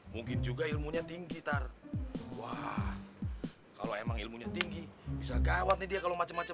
mungkin juga ilmunya tinggi ntar wah kalau emang ilmunya tinggi bisa gawat nih dia kalau macam macam